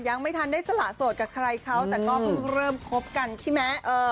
ยังไม่ทันได้สละโสดกับใครเขาแต่ก็เพิ่งเริ่มคบกันใช่ไหม